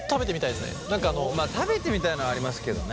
まあ食べてみたいのはありますけどね。